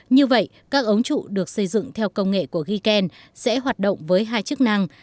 như vậy các ống trụ được xây dựng theo công nghệ của giken sẽ hoạt động với hai chức năng